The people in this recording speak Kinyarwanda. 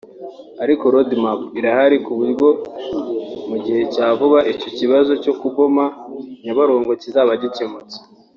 Ariko roadmap irahari ku buryo mu gihe cya vuba icyo kibazo cyo kuboma nyabarongo kizaba gikyemutse